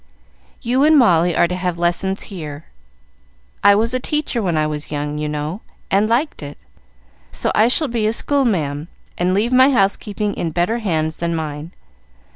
"You and Molly are to have lessons here. I was a teacher when I was young, you know, and liked it, so I shall be school ma'am, and leave my house keeping in better hands than mine.